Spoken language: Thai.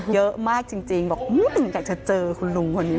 เยอะมากจริงบอกอยากจะเจอคุณลุงคนนี้